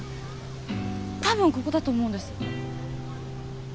多分ここだと思うんです。